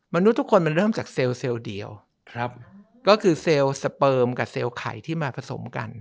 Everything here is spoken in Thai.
นุษยทุกคนมันเริ่มจากเซลล์เดียวครับก็คือเซลล์สเปิร์มกับเซลล์ไข่ที่มาผสมกัน